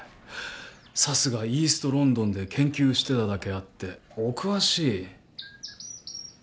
さすがイーストロンドンで研究してただけあってお詳しい。